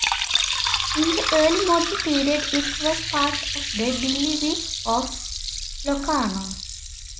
In the early modern period it was part of the Bailiwick of Locarno.